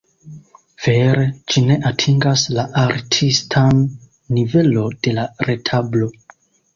Vere ĝi ne atingas la artistan nivelo de la retablo.